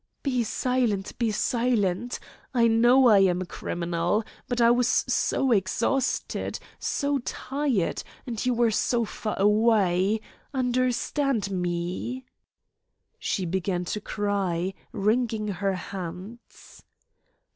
"Be silent. Be silent. I know I am a criminal. But I was so exhausted, so tired, and you were so far away. Understand me." She began to cry, wringing her hands.